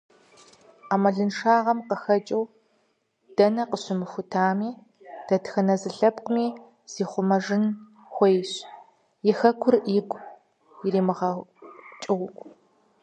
Ӏэмалыншагъэм къыхэкӏыу, дэнэ къыщымыхутами, дэтхэнэ зы лъэпкъми зихъумэжын хуейщ, и Хэкур игу иримыгъэкӏыу.